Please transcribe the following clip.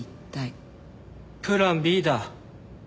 プランＢだ。